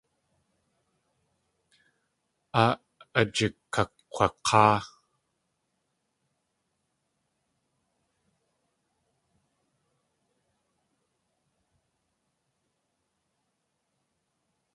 Áa ajikakg̲wak̲áa.